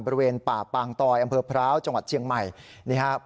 บริเวณป่าปางตอยอำเภอพร้าวจังหวัดเชียงใหม่นี่ครับ